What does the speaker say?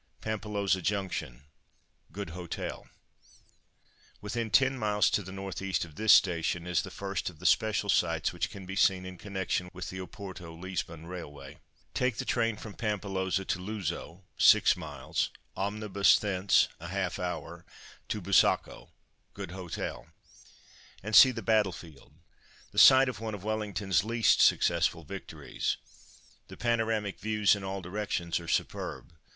PAMPILHOSA JUNCTION (Good Hotel).—Within 10m. to the N. E. of this station is the first of the special sights which can be seen in connection with the Oporto Lisbon railway. Take the train from Pampilhosa to Luzo (6m.), omnibus thence (½ hour) to Busaco (Good Hotel), and see the battlefield, the site of one of Wellington's least successful victories. The panoramic views in all directions are superb.